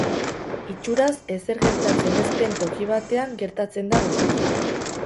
Itxuraz ezer gertatzen ez den toki batean gertatzen da guztia.